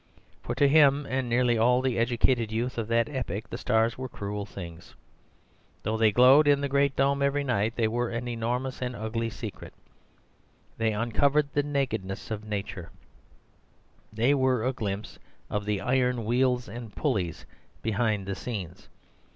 For to him, and nearly all the educated youth of that epoch, the stars were cruel things. Though they glowed in the great dome every night, they were an enormous and ugly secret; they uncovered the nakedness of nature; they were a glimpse of the iron wheels and pulleys behind the scenes.